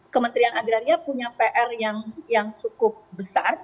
kementerian agraria punya pr yang cukup besar